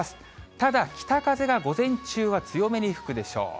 ただ北風が午前中は強めに吹くでしょう。